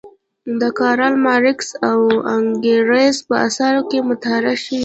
د کارل مارکس او انګلز په اثارو کې مطرح شوې.